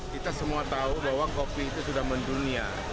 kita semua tahu bahwa kopi itu sudah mendunia